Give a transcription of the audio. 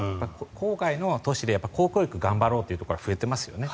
郊外の都市で公教育を頑張ろうというところは増えてますよね。